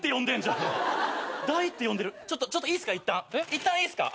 いったんいいっすか？